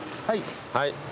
はい。